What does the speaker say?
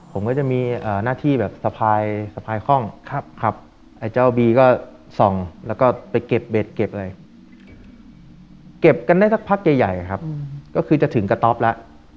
ผมก็จะมีหน้าที่แบบสะพายสะพายคล่องครับไอ้เจ้าบีก็ส่องแล้วก็ไปเก็บเบ็ดเก็บอะไรเก็บกันได้สักพักใหญ่ครับก็คือจะถึงกระต๊อปแล้ว